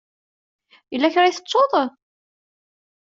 Yella kra i tettuḍ?